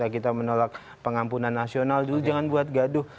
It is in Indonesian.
kita menolak pengampunan nasional dulu jangan buat gaduh